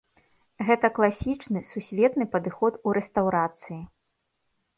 Гэта класічны сусветны падыход у рэстаўрацыі.